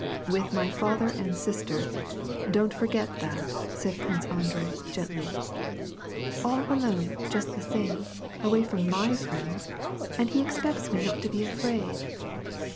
" With my father and sister, don't forget that," said Prince Andrei, gently. " All alone, just the same, away from mi/ friends — and he expects me not to be afraid."